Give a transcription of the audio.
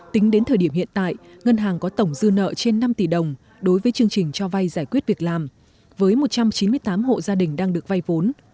tính đến thời điểm hiện tại ngân hàng có tổng dư nợ trên năm tỷ đồng đối với chương trình cho vay giải quyết việc làm với một trăm chín mươi tám hộ gia đình đang được vay vốn